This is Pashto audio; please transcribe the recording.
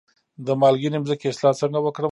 د مالګینې ځمکې اصلاح څنګه وکړم؟